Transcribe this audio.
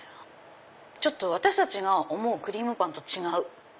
私たちが思うクリームパンと違う。